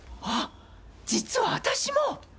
あっ実は私も！